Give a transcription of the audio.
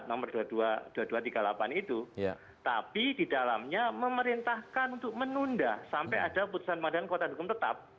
nomor dua ribu dua ratus tiga puluh delapan itu tapi di dalamnya memerintahkan untuk menunda sampai ada putusan pengadilan kekuatan hukum tetap